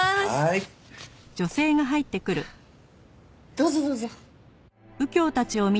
どうぞどうぞ。